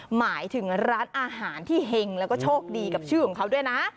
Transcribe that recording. หมายถึงร้านอาหารที่เห็งแล้วก็โชคดีกับชื่อของเขาด้วยนะ